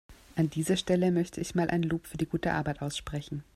An dieser Stelle möchte ich mal ein Lob für die gute Arbeit aussprechen.